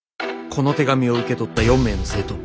「この手紙を受け取った４名の生徒」。